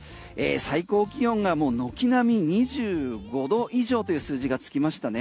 最高気温がもう軒並み２５度以上という数字がつきましたね。